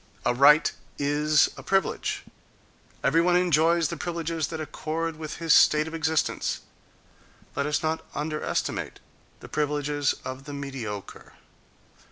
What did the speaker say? —A right is a privilege. Every one enjoys the privileges that accord with his state of existence. Let us not underestimate the privileges of the mediocre.